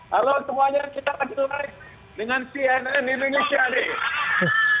halo semuanya kita lagi live dengan si nm indonesia nih